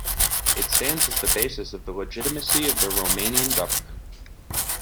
It stands as the basis of the legitimacy of the Romanian government.